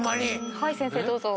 はい先生どうぞ。